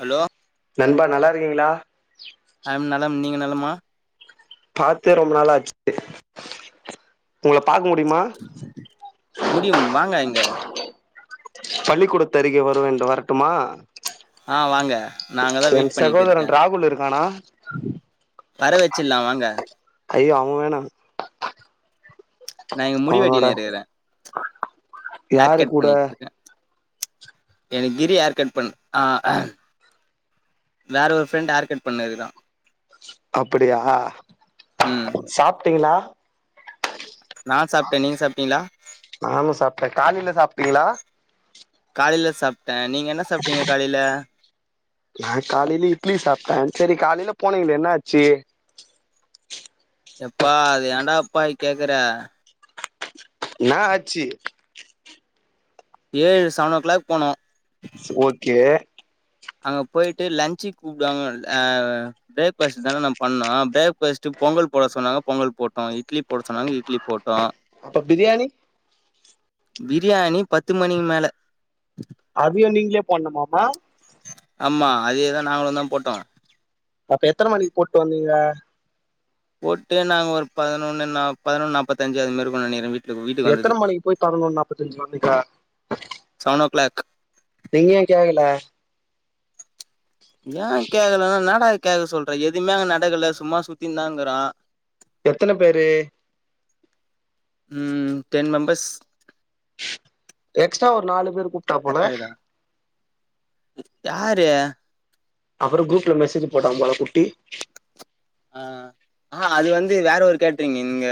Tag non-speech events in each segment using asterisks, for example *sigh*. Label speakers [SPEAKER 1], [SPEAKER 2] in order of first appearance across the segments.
[SPEAKER 1] hello
[SPEAKER 2] நண்பா நல்லாருக்கீங்ளா
[SPEAKER 1] ஐ ம் நலம் நீங்க நலமா
[SPEAKER 2] பாத்தே ரொம்ப நாள் ஆச்சு உங்ள
[SPEAKER 1] முடியும் வாங்க இங்க
[SPEAKER 2] பள்ளிக்கூடத்து அருகே வருவேன்டு வரட்டுமா
[SPEAKER 1] ஆ வாங்க நா அங்கதா
[SPEAKER 2] என்
[SPEAKER 1] வெயிட் பண்ணிட்டு இருக்கே
[SPEAKER 2] சகோதரன் ராகுல் இருக்கானா
[SPEAKER 1] வர வெச்சிட்லா வாங்க
[SPEAKER 2] ஐயோ அவு வேணா
[SPEAKER 1] நா இங்க முடி
[SPEAKER 2] அவனோட
[SPEAKER 1] வெட்டினு இருக்குற ஏர்
[SPEAKER 2] யாரு
[SPEAKER 1] கட்
[SPEAKER 2] கூட
[SPEAKER 1] பண்ணிட் ருக்க எனக் கிரி ஏர் கட் பண்ணு ஆ வேற ஒரு ஃப்ரெண்ட் ஏர் கட் பண்ணு இருறா
[SPEAKER 2] அப்புடியா
[SPEAKER 1] ம்
[SPEAKER 2] சாப்ட்டீங்ளா
[SPEAKER 1] நா சாப்ட்டே நீங்க சாப்ட்டீங்களா
[SPEAKER 2] நானு சாப்ட்ட காலைல சாப்ட்டீங்ளா
[SPEAKER 1] காலைல சாப்ட்ட நீங்க என்ன சாப்ட்டீங்க காலைல
[SPEAKER 2] நா காலைல இட்லி சாப்ட்ட சரி காலைல போனீங்ளே என்னா ஆச்சி
[SPEAKER 1] எப்பா அது ஏன்டா அப்பா கேக்குற
[SPEAKER 2] நா ஆச்சி
[SPEAKER 1] ஏழு சவன் ஓ க்ளாக் போனோ
[SPEAKER 2] ஓகே
[SPEAKER 1] அங்க போயிட்டு லஞ்சுக் கூப்டுவாங்க் ஆ ப்ரேக்ஃபஸ்டு தான நம் பண்ணோ ப்ரேக்ஃபஸ்ட்டு பொங்குல் போட சொன்னாங்க பொங்கல் போட்டோ இட்லி போட சொன்னாங்க இட்லி போட்டோ
[SPEAKER 2] அப்ப பிரியாணி
[SPEAKER 1] பிரியாணி பத்து மணிக் மேல
[SPEAKER 2] அதியு நீங்ளே பண்ணுமாமா
[SPEAKER 1] ஆமா அதேதா நாங்களுதா போட்டோ
[SPEAKER 2] அப்ப எத்தன மணிக் போட்டு வந்தீங்க
[SPEAKER 1] போட்டு நாங் ஒரு பதனொன்னு நா பதுனொன் நாப்பத்தஞ்சு அது மேர்ருக்கு நெனக்ர வீ
[SPEAKER 2] எத்தன மணிக் போய் பதனொன் நாப்பத்தஞ்சுக் வந்தீங்க
[SPEAKER 1] செவன் ஓ கிளாக்
[SPEAKER 2] நீங்க ஏ கேகல
[SPEAKER 1] யா கேக்கலனா ன்னடா கேக சொல்ற எதுமே அங்க நடக்கல சும்மா சுத்தின்தாங்குரா
[SPEAKER 2] எத்தன பேரு
[SPEAKER 1] ம் டென் மெம்பர்ஸ்
[SPEAKER 2] எக்ஸ்டா ஒரு நாலு பேரு கூப்ட்டா போல
[SPEAKER 1] கரெக்ட் ஆகுதா யாரு
[SPEAKER 2] அப்பற குரூப்ல மெசேஜ் போட்டா போல குட்டி
[SPEAKER 1] ஆ ஆ அது வந்து வேற ஒரு கேட்ரிங் இங்க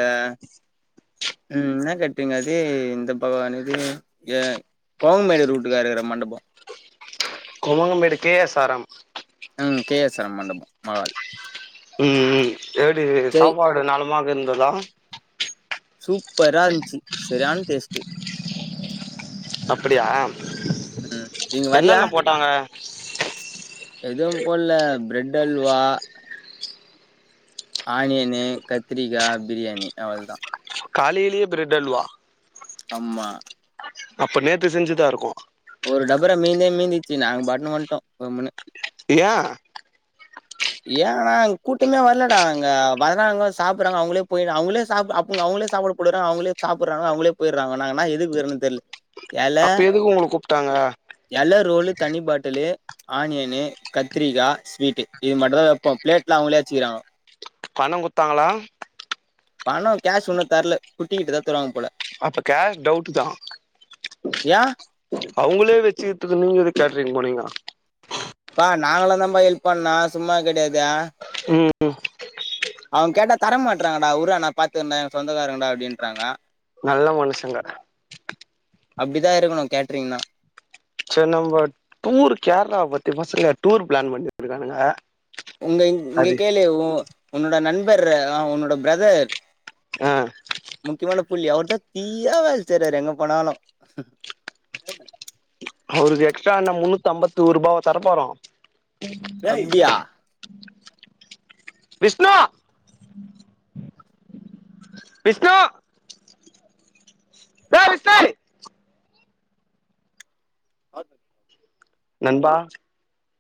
[SPEAKER 1] ம் ன்ன கேட்ரிங் அது இந்த பகவான் இது ஏய் கோங்மேடு ரூட்டுக்காருக்குற மண்டபொ
[SPEAKER 2] கொவங்கமேடு கே எஸ் ஆர் எம்
[SPEAKER 1] ம் கே எஸ் ஆர் மண்டபம் மகால்
[SPEAKER 2] ம் ம் எப்டி
[SPEAKER 1] சரி
[SPEAKER 2] சாப்பாடு நலமாக இருந்ததா
[SPEAKER 1] சூப்பராஞ்சி செரியான டேஸ்டு
[SPEAKER 2] அப்டியா
[SPEAKER 1] ம் நீ இங்க வரியா எதுவு போட்ல பிரெட் அல்வா ஆனியனு கத்திரிக்கா பிரியாணி அவள் தா
[SPEAKER 2] காலேலியே பிரெட் அல்வா
[SPEAKER 1] ஆமா
[SPEAKER 2] அப்ப நேத்து செஞ்சதாருக்கு
[SPEAKER 1] ஒரு டபரா மீந்தே மீந்திச்சி நாங் பாட்டுனு வன்ட்டோ கம்முனு
[SPEAKER 2] ஏ
[SPEAKER 1] ஏனா அங் கூட்டமே வரலடா அங்க வர்றாங்க சாப்பறாங்க அவுங்களே போயி அவுங்களே சாப் அப் அவுங் அவுங்களே சாப்பாடு போடுற அவுங்களே சாப்பறாங்க அவுங்களே போய்றாங்க நாங்கனா எதுக்கு போயிருந்தே தெர்ல எல
[SPEAKER 2] அப்ப எதுக்கு உங்கள கூப்ட்டாங்க
[SPEAKER 1] எல ரோலு தனி பாட்டலு ஆனியனு கத்திரிகா ஸ்வீட் இது மட்டு தா வப்போ பிளேட்லா அவுங்களே வச்சிக்கிறாங்கோ
[SPEAKER 2] பணோ குட்த்தாங்களா
[SPEAKER 1] பணோ கேஷ் உன்னு தரல குட்டிக்கிட்ட தா தருவாங்க போல
[SPEAKER 2] அப்ப கேஷ் டவுட்டு தா
[SPEAKER 1] ஏன்
[SPEAKER 2] அவுங்களே வெச்சி தாத்தா நீங்க எது கேட்ரிங் போனீங்னா
[SPEAKER 1] பா நாங்கல்லா தா பா ஹெல்ப் பண்ணோ சும்மா கெடையாதே
[SPEAKER 2] ம் ம்
[SPEAKER 1] அவுங் கேட்டா தர மாட்றாங்கடா உரா நா பாத்துக்ரண்டா எ சொந்தக்காரங்கடா அப்டின்றாங்க
[SPEAKER 2] நல்ல மனுஷங்க
[SPEAKER 1] அப்டி தா இருக்குனு கேட்ரிங்னா
[SPEAKER 2] செர் நம்ப டூர் கேரளாவ பத்தி பசங்க டூர் பிளான் பண்ணிட்ருக்கானுங்க
[SPEAKER 1] உங்க இங்க கேளு ஒ உன்னோட நண்பர் அ ஒன்னோட பிரதர்
[SPEAKER 2] ஆ
[SPEAKER 1] முக்கியமான புள்ளி அவர் தா தீயா வேல செய்றாரு எங்க போனாலு
[SPEAKER 2] அவருக்கு எக்ஸ்ட்ரா என்ன முன்னூத் அம்பத்தோருபாவா தர போறோ
[SPEAKER 1] டேய் பியா
[SPEAKER 2] விஷ்ணு விஷ்ணு டேய் விஷ்ணேய்
[SPEAKER 1] ஆ
[SPEAKER 2] நண்பா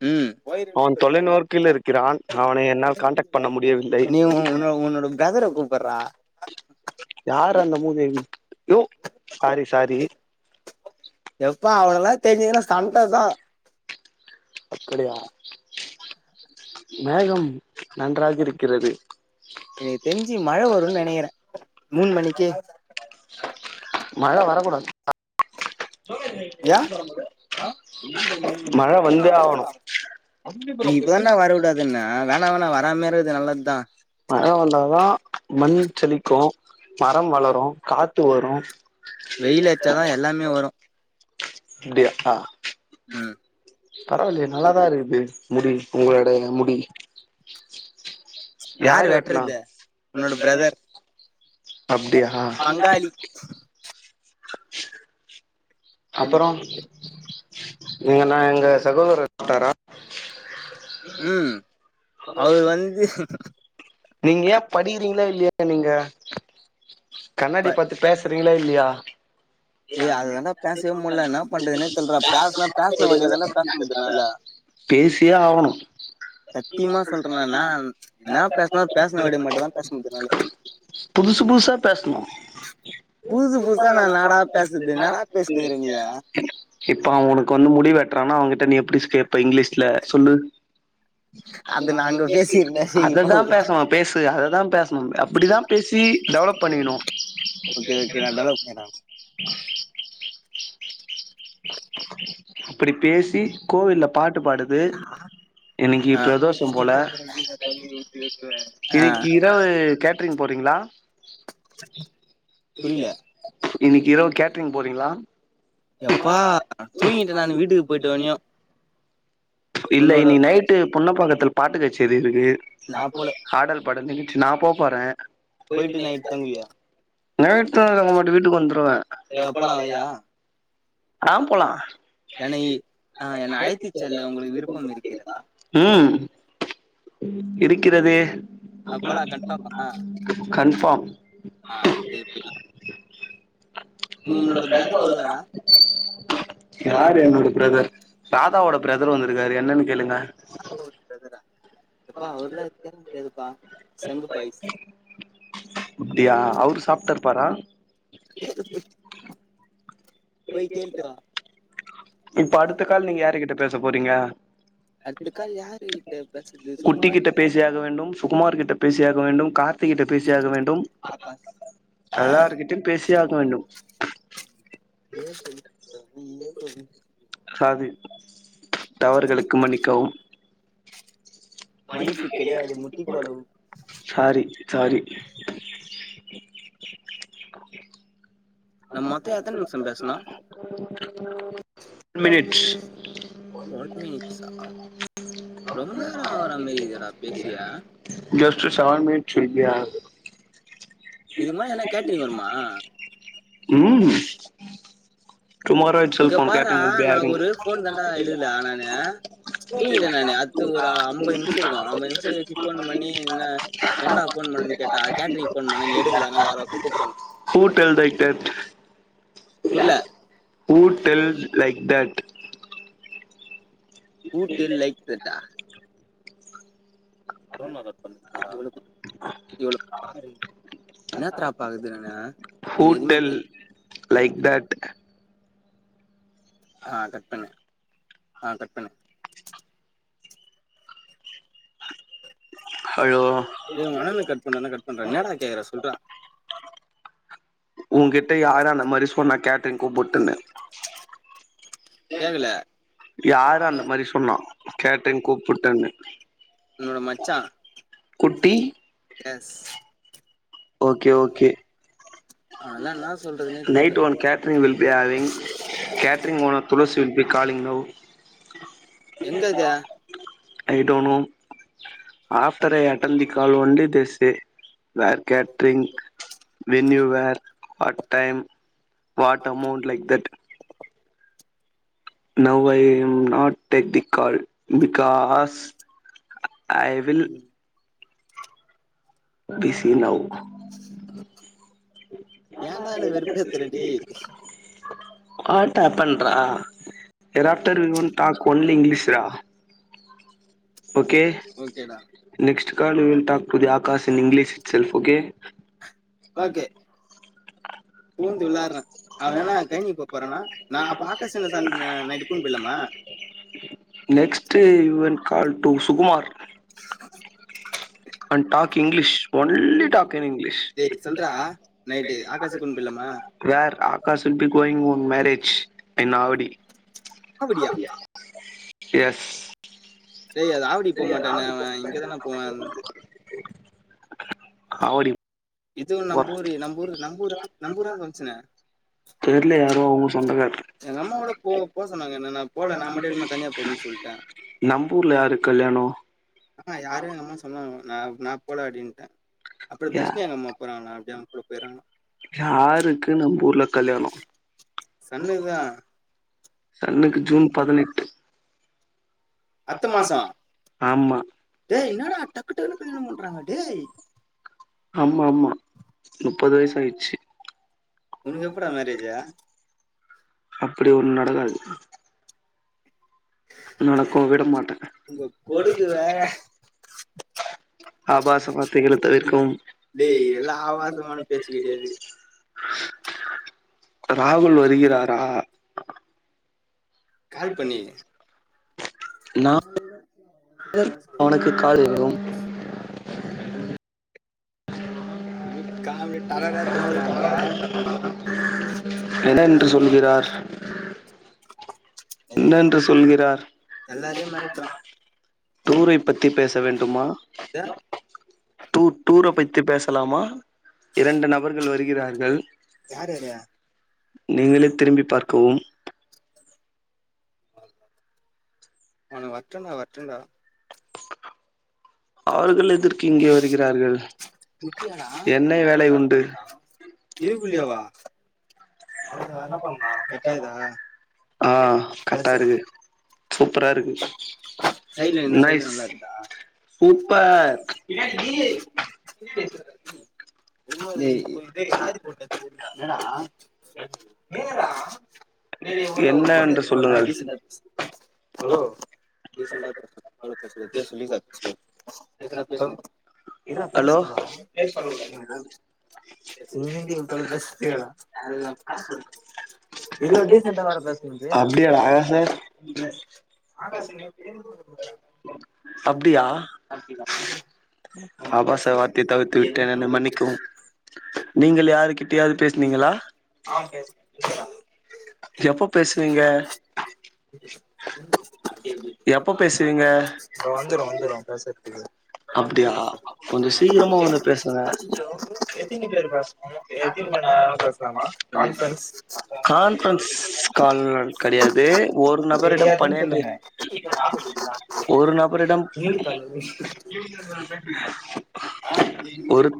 [SPEAKER 1] ம்
[SPEAKER 2] அவன் தொலைநோர்க்கில இருக்கிறான் அவனை என்னால் கான்டாக்ட் பண்ண முடியவில்லை
[SPEAKER 1] நீ உன்னோ உன்னோட பிரதர கூப்புறா
[SPEAKER 2] யார் அந்த மூதேவி யோ சாரி சாரி
[SPEAKER 1] எப்பா அவனல்லா தெரிஞ்சதுனா சண்ட தா
[SPEAKER 2] அப்படியா மேகம் நன்றாக இருக்கிறது
[SPEAKER 1] எனுக் தெர்ஞ்சி மழ வருன் நெனைக்கிறே மூண் மணிக்கே
[SPEAKER 2] மழ வரக்கூடாது
[SPEAKER 1] யா
[SPEAKER 2] மழ வந்தே ஆவனு
[SPEAKER 1] நீ இப்பதாண்டா வர வுடாதுன்ன வேணா வேணா வராமலே இருக்குது நல்லத்தா
[SPEAKER 2] மழ வந்தாதா மண் செழிக்கு மரம் வளரு காத்து வரு
[SPEAKER 1] வெயில் அட்ச்சாதா எல்லாமே வரு
[SPEAKER 2] அப்டியா ஆ
[SPEAKER 1] ம்
[SPEAKER 2] பரவாயில்லயே நல்லாதா இருக்குது முடி உங்களோட முடி யாரு வெட்னா
[SPEAKER 1] உன்னோட பிரதர்
[SPEAKER 2] அப்டியா
[SPEAKER 1] பங்காளி தண்ணி
[SPEAKER 2] அப்பறோ நீங்க ந எங்க சகோதரர் பாத்தாரா
[SPEAKER 1] ம் அவர் வந்து
[SPEAKER 2] நீங்க ஏ படிக்கிறீங்களா இல்லயா ‌நீங்க ‌கண்ணாடி பாத்து பேச ரிங்களா இல்லயா
[SPEAKER 1] ஏய் அதுதாண்டா பேசவே முட்ல என்ன பண்றதுனே தெர்லடா பேசுனா பேசுன வேண்டிய தாண்டா பேச முடிது என்னால
[SPEAKER 2] *inaudible* பேசியே ஆகணு
[SPEAKER 1] சத்தியமா சொல்றேனானு என்னா பேசனு பேசன வேண்டிய மட்டுதா ‌பேச முடி *unintelligible* என்னால
[SPEAKER 2] புதுசு புதுசா பேசனு
[SPEAKER 1] புதுசு புதுசா நா என்னாடா பேசுறது என்னாடா பேசினுக்குற நீ
[SPEAKER 2] இப்ப உனக்கு வந்து முடி வெட்றானா அவன் ட நீ எப்டி கேப்ப இங்கிலீஷ்ல சொல்லு
[SPEAKER 1] அது நா அங்க பேசிருந்தா இப்ப
[SPEAKER 2] அததா பேசணு பேசு அததா பேசனு அப்டிதா பேசி டெவலப் பண்ணிக்கணு
[SPEAKER 1] ஏனா
[SPEAKER 2] அப்டி பேசி கோவில்ல பாட்டு பாடுது இன்னைக்கு
[SPEAKER 1] அ அ
[SPEAKER 2] பிரதோஷம் போல ளா புரியல
[SPEAKER 1] புரில
[SPEAKER 2] இன்னிக்கு இரவு கேட்டரிங் போறீங்களா
[SPEAKER 1] எப்பா தூங்கிட்டே நானு வீட்டுக்கு போயிட்டோனியும்
[SPEAKER 2] இல்ல இன்னிக்கி நைட்டு ‌புன்ன பாக்கத்துல பாட்டுக்கச்சேரி இருக்கு
[SPEAKER 1] நா போல
[SPEAKER 2] ஆடல் பாடல் நிகழ்ச்சி நா போ போறே
[SPEAKER 1] போயிட்டு நைட் தங்குவியா
[SPEAKER 2] நைட்டு நம்மோட்டு வீட்டுக்கு வந்துருவே
[SPEAKER 1] சரி
[SPEAKER 2] எப்படா
[SPEAKER 1] அப்பலா
[SPEAKER 2] வரியா அ போலா
[SPEAKER 1] என்னை ஆ என்ன அழைத்துச் செல்ல உங்களுக்கு விருப்பம் இருக்கிறதா
[SPEAKER 2] ம் இருக்கிறதே
[SPEAKER 1] அப்பலா கன்ஃபார்மா
[SPEAKER 2] கன்ஃபாம் *inaudible*
[SPEAKER 1] ஆ சரி போயிட்லா உன்னோட பிரதர் வருவாரா
[SPEAKER 2] யாரு என்னோட பிரதர் ராதாவோட பிரதர் வந்திருக்காரு என்னன்னு கேளுங்க
[SPEAKER 1] *inaudible* பிரதரா எப்பா அவர்லா *unintelligible* ப்பா சங்கு பாய்ஸ்
[SPEAKER 2] அப்டியா அவரு சாப்டாரு *inaudible*
[SPEAKER 1] போய் கேள்திறா
[SPEAKER 2] இப்ப அடுத்த கால் நீங்க யாருகிட்ட பேச போறீங்க
[SPEAKER 1] அடுத்த கால் யாரு கிட்ட பேசுறது
[SPEAKER 2] குட்டி
[SPEAKER 1] சுகுமார்
[SPEAKER 2] கிட்ட பேசியாக வேண்டும் சுகுமார் கிட்ட பேசியாக வேண்டும் *unintelligible* கிட்ட பேசியாக வேண்டும்
[SPEAKER 1] ஆகாஷ்
[SPEAKER 2] எல்லார்கிட்டயும் பேசியாக வேண்டும்
[SPEAKER 1] ஏ சொல்ல சொ *unintelligible*
[SPEAKER 2] சாரி தவறுகளுக்கு மன்னிக்கவும்
[SPEAKER 1] மன்னிப்பு கிடையாது முட்டி போடவும்
[SPEAKER 2] சாரி சாரி
[SPEAKER 1] நம்மமொத்த எத்தன் நிம்ஷம் பேசனு
[SPEAKER 2] *inaudible*
[SPEAKER 1] ட்வெல் மினிட்ஸ் ட்வெல் மினிட்ஸா ரொம்ப நேர ஆகறமாரி இருக்கேடா பேசியே
[SPEAKER 2] ஜஸ்ட்டு செவன் மினிட்ஸ் இப்டி ஆகுது
[SPEAKER 1] இது மாரி என்னா கேட்ரிங்க வருமா
[SPEAKER 2] ம்
[SPEAKER 1] இங்க பார்ரா நா ஒரு ஃபோன் தாண்டா எடுக்கல நானு தூங்கிட்டே நானு அட்த்து ஒரு அம்பது நிமிஷோருக்கு அம்பது நிமிஷோ கழிச்சு ஃபோன் பண்ணி என்ன என்னடா ஃபோன் னுன் கேட்டா கேட்டரிங் ஃபோன் பண்ண நீ எடுக்கல அதனால வேற ஒருத்தன கூப்ட்டு வந் புர்ல
[SPEAKER 2] ஊ tells like that
[SPEAKER 1] who tell like தட்டா *inaudible* இவ்ளோ பாருங் என்னாத்ரா பாக்றது நானு இதுல எதுவுமே தெரி
[SPEAKER 2] லைக் தட்
[SPEAKER 1] ஆ கட் பண்ணு, ஆ கட் பண்ணு
[SPEAKER 2] ஐயோ,
[SPEAKER 1] ஹலோ எ உங்கண்ணன கட் பண்ணன்னா கட் பண்றா என்னாடா கேக்ற சொல்றா
[SPEAKER 2] ஊங்கிட்ட யாரு அந்த மாரி சொன்னா கேட்ரிங் கூப்பிட்டுன்னு
[SPEAKER 1] கேக்கல
[SPEAKER 2] யாரு அந்த மாரி சொன்னா கேட்ரிங் கூப்பிட்டுன்னு
[SPEAKER 1] உன்னோட மச்சா
[SPEAKER 2] குட்டி,
[SPEAKER 1] எஸ்
[SPEAKER 2] ஓகே ஓகே
[SPEAKER 1] அவனெல்லா என்னா சொல்றதுனே
[SPEAKER 2] நைட்
[SPEAKER 1] தெர்ல
[SPEAKER 2] one catering will be arrange catering owner Thulasi will be we calling now
[SPEAKER 1] எங்கத்தியா
[SPEAKER 2] I to know after I attend the call only this say where catering venue where at time what amount like that now I am not take the call because I will busy now
[SPEAKER 1] ஏன்டா என்ன வெறுப்பேத்துற டேய்
[SPEAKER 2] அ *unintelligible* ஆட்டா பண்றா thereafter every one ட்டாக் only இங்லீஷ்ரா okay
[SPEAKER 1] ஓகேடா
[SPEAKER 2] next call will talk to the app because in English itself okay
[SPEAKER 1] okay
[SPEAKER 2] உ *inaudible*
[SPEAKER 1] பூந்து விளாடுறேன் அவன் என்ன கழனி போக போறானா நான் அப்ப ஆகாஷ் நைட்டு கூண்டு போயிடலாமா
[SPEAKER 2] next Yuvan call to Sukumar and talk English only talking English
[SPEAKER 1] டேய் சொல்றா நைட்டு ஆகாஷ் கூண்டு போயிடலாமா
[SPEAKER 2] where Akash will be going on marriage I'm நாவடி
[SPEAKER 1] ஆவடியா
[SPEAKER 2] எஸ்
[SPEAKER 1] டேய் அது ஆவடி
[SPEAKER 2] செரி
[SPEAKER 1] போக மாட்டானே
[SPEAKER 2] எதாவது
[SPEAKER 1] அவன் இங்க தானே போவான்
[SPEAKER 2] *inaudible* ஆவடிப்
[SPEAKER 1] இதுவு நம்ப ஊரு நம்ப ஊர் நம்பூரா நம்பூரா வந்ச்சுனே
[SPEAKER 2] தெர்ல யாரோ அவங்க சொந்தக்காரர்
[SPEAKER 1] எங்க அம்மாவோட போ போ சொன்னாங்க என்ன நா போல நா மட்டு இருந்தே தனியா போதுன் சொல்ட்டே
[SPEAKER 2] நம்பூர்ல யாருக் கல்யாணோ
[SPEAKER 1] ஆஹ யாரு எங்க அம்மா சொன்னாங்க நா, நா போல அப்டின்டே அப்டிய
[SPEAKER 2] யா
[SPEAKER 1] தர்ஷினி அங்க அம்மா போறாங்களா அப்டியே அவுங் கூட போய்றாங்களா
[SPEAKER 2] யாருக்கு நம்பூர்ல கல்யாணோ
[SPEAKER 1] சன்னுதான்
[SPEAKER 2] சன்னுக்கு ஜூன் பதினெட்டு
[SPEAKER 1] அத்த மாசோ
[SPEAKER 2] ஆமா
[SPEAKER 1] டேய் என்னாடா டக்குடக்குன்னு கல்யாணோ பண்றாங்க டேய்
[SPEAKER 2] ஆமா ஆமா முப்பது வயசு ஆய்ச்சு
[SPEAKER 1] உனக்கு எப்படா மேரேஜா
[SPEAKER 2] அப்டி ஒன்னு நடக்காது நடக்கவு விட மாட்டே
[SPEAKER 1] உங்க கொடுக்கு வேற
[SPEAKER 2] ஆபாச வார்த்தைகள தவிர்க்கவும்
[SPEAKER 1] டேய் இதெல்லாம் ஆபாசமான பேச்சு கிடையாது
[SPEAKER 2] ராகுல் வருகிறாரா
[SPEAKER 1] கால் பண்ணியே
[SPEAKER 2] நா *inaudible* க்கு அவனுக்கு கால் *unintelligible*
[SPEAKER 1] *unintelligible* *unintelligible* பேசுறான்பா
[SPEAKER 2] என்ன என்று சொல்கிறார் என்னென்று சொல்கிறார்
[SPEAKER 1] எல்லாரியும் மெரட்றா
[SPEAKER 2] டூரை பத்தி பேச வேண்டுமா
[SPEAKER 1] டேய்,
[SPEAKER 2] டூர் டூர பத்தி பேசலாமா இரண்டு நபர்கள் வருகிறார்கள்
[SPEAKER 1] யார் யாரு
[SPEAKER 2] நீங்களே திரும்பி பார்க்கவும்
[SPEAKER 1] அவன் வர்ட்டுண்டா வர்ட்டுண்டா
[SPEAKER 2] அவர்கள் எதற்கு இங்கே வருகிறார்கள்
[SPEAKER 1] குட்டியா டா
[SPEAKER 2] என்ன வேலை உண்டு
[SPEAKER 1] இதுக்குல்லிய வா
[SPEAKER 2] ஆஹ் கர்ட்டா இருக்கு சூப்பரா இருக்கு
[SPEAKER 1] சைடுல இந்த சைடுல
[SPEAKER 2] நைஸ்
[SPEAKER 1] நல்லா இருந்தா
[SPEAKER 2] சூப்பர்
[SPEAKER 1] டேய் என்னாடா சேர்ரா
[SPEAKER 2] என்
[SPEAKER 1] ஹலோ இச பிரச சொல்லச *unintelligible*
[SPEAKER 2] ஹலோ
[SPEAKER 1] *unintelligible* இதுல டீசெண்டா வேர பேஸ்
[SPEAKER 2] அப்டியாடா *unintelligible*
[SPEAKER 1] ஆகாஷ்னே பேரு
[SPEAKER 2] *unintelligible* அப்டியா ஆபாச
[SPEAKER 1] பேசு
[SPEAKER 2] வார்த்தை தவிர்த்து
[SPEAKER 1] எதுல
[SPEAKER 2] விட்டேன் என்னை
[SPEAKER 1] திருப்பி
[SPEAKER 2] மன்னிக்
[SPEAKER 1] பேசு
[SPEAKER 2] கும் நீங்கள் யாரு கிட்டயாவது பேஸ்னீங்களா
[SPEAKER 1] ஆ பேசு
[SPEAKER 2] எப்போ பேசுவீங்க எப்ப பேசுவீங்க
[SPEAKER 1] வந்துரு வந்துரு பேசு
[SPEAKER 2] அப்டியா கொஞ்சோ சீக்ரமா வந்து பேசுங்க
[SPEAKER 1] அச்சச்சோ எத்தினி
[SPEAKER 2] எத்தினு பேரு பாஸ் *inaudible*
[SPEAKER 1] பேசணு எத்தினி மணி நேரோ பேசலாமா கான்ஃபரன்ஸ்
[SPEAKER 2] கான்ஃப்ரன் மிஸ் கால் கெடையாது ஒரு நபரிடம்
[SPEAKER 1] தெரியாதுன்னு
[SPEAKER 2] பன்னெண்டு
[SPEAKER 1] சொல்லுங்க
[SPEAKER 2] ஒரு நபரிடம்
[SPEAKER 1] மியூட் கால் வந்து
[SPEAKER 2] ஒரு